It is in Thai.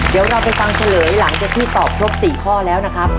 เดี๋ยวเราไปฟังเฉลยหลังจากที่ตอบครบ๔ข้อแล้วนะครับ